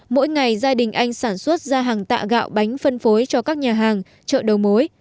mỗi ngày gia đình anh sản xuất ra hàng tạ gạo bánh phân phối cho các nhà hàng chợ đầu mối